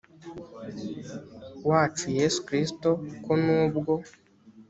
wacu yesu kristo ko nubwo